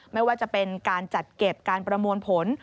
ไม่ว่าจะเป็นการจัดเก็บการประมวลผล